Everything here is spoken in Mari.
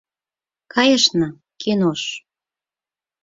— Кайышна кинош...